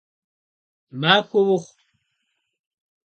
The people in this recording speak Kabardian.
Махуэ ухъу!